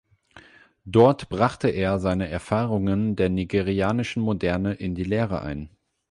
Dort brachte er seine Erfahrungen der nigerianischen Moderne in die Lehre ein.